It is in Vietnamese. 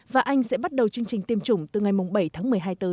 và anh sẽ bắt đầu chương trình tiêm chủng từ ngày bảy tháng một mươi